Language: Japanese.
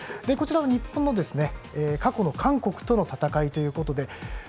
こちらは日本の過去の韓国との戦いということで。